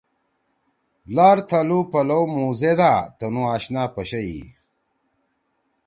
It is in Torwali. لار تھلُو پلو مُوزیدا تنُو آشنا پَشَئی۔